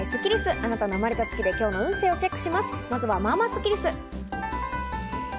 あなたの生まれた月での今日の運勢をチェック。